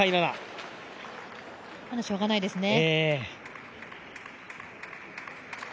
今のはしょうがないですね。